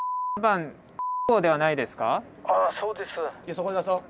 そこで出そう。